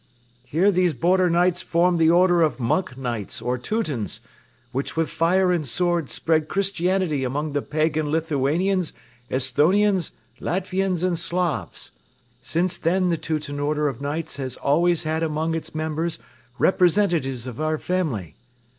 Here these border knights formed the order of Monk Knights or Teutons, which with fire and sword spread Christianity among the pagan Lithuanians, Esthonians, Latvians and Slavs. Since then the Teuton Order of Knights has always had among its members representatives of our family.